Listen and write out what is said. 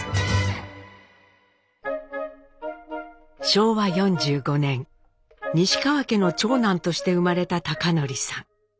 昭和４５年西川家の長男として生まれた貴教さん。